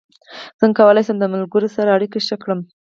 څنګه کولی شم د ملګرو سره اړیکې ښې کړم